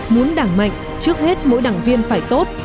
muốn đảng mạnh trước hết mỗi đảng viên phải tốt